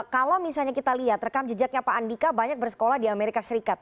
kalau misalnya kita lihat rekam jejaknya pak andika banyak bersekolah di amerika serikat